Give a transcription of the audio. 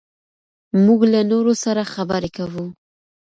موږ له نورو سره خبرې کوو.